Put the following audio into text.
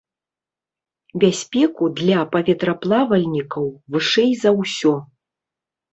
Бяспеку для паветраплавальнікаў вышэй за ўсё.